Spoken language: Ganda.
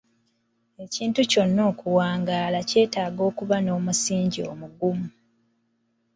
Ekintu kyonna okuwangaala kyetaaga okuba n'omusingi omugumu.